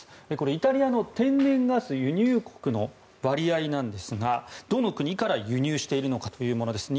イタリアの天然ガス輸入国の割合なんですがどの国から輸入しているのかというものです。